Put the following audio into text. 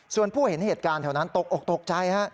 ส่วนผู้เห็นเหตุการณ์แถวนั้นตกออกตกใจฮะ